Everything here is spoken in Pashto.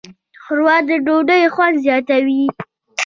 ښوروا د ډوډۍ خوند زیاتوي.